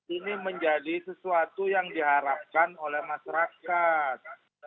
ini menjadi sesuatu yang diharapkan oleh masyarakat